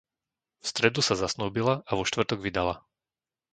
V stredu sa zasnúbila a vo štvrtok vydala.